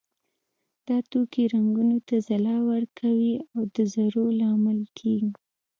دا توکي رنګونو ته ځلا ورکوي او د زرو لامل کیږي.